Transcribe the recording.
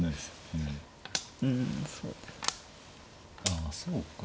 ああそうか。